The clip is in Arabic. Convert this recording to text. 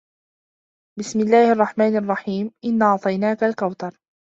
بِسمِ اللَّهِ الرَّحمنِ الرَّحيمِ إِنّا أَعطَيناكَ الكَوثَرَ